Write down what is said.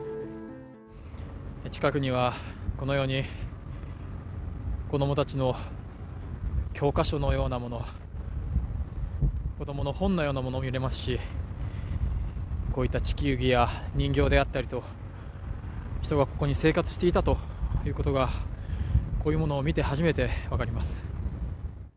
近くにはこのように、子供たちの教科書のようなもの、子供の本のようなものもありますしこういった地球儀や人形であったりと、人がここに生活していたということが、こういうものを見て初めて分かります。